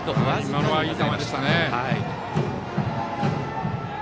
今のはいい球でしたね。